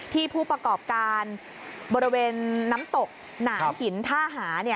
ผู้ประกอบการบริเวณน้ำตกหนาหินท่าหา